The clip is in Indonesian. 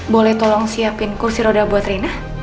boleh tolong siapin kursi roda buat rina